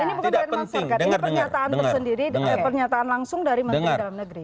ini bukan beran masyarakat ini pernyataan bersendiri pernyataan langsung dari menteri dalam negeri